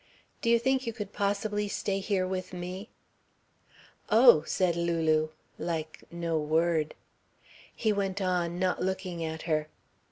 "Do you think you could possibly stay here with me?" "Oh!" said Lulu, like no word. He went on, not looking at her.